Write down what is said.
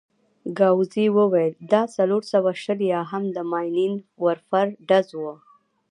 ګاووزي وویل: دا څلور سوه شل یا هم د ماينين ورفر ډز وو.